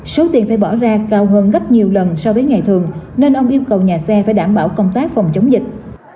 số tiền phải bỏ ra cao hơn gấp nhiều lần so với ngày thường nên ông yêu cầu nhà xe phải đảm bảo công tác phòng chống dịch